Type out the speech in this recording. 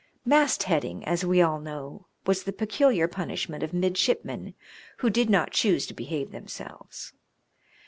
Mast heading, as we all know, was the peculiar punishment of midshipmen who did not choose to behave themselves.